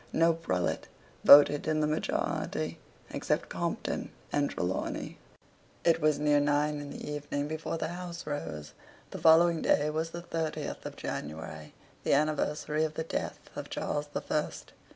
No prelate voted in the majority except Compton and Trelawney. It was near nine in the evening before the House rose. The following day was the thirtieth of January, the anniversary of the death of Charles the First.